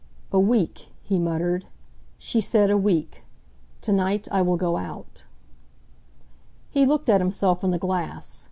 "A week," he muttered. "She said a week. Tonight I will go out." He looked at himself in the glass.